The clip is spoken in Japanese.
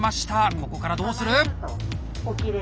ここからどうする？